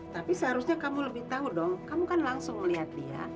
tapi seharusnya kamu lebih tahu dong kamu kan langsung melihat dia